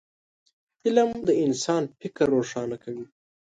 علم د انسان فکر روښانه کوي